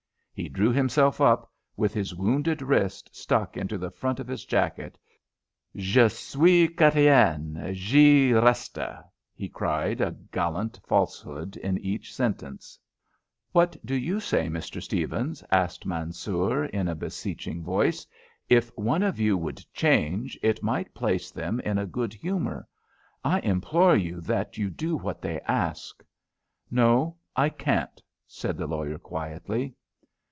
He drew himself up, with his wounded wrist stuck into the front of his jacket, "Je suis Chrétien. J'y reste," he cried, a gallant falsehood in each sentence. "What do you say, Mr. Stephens?" asked Mansoor, in a beseeching voice. "If one of you would change, it might place them in a good humour. I implore you that you do what they ask." "No, I can't," said the lawyer, quietly.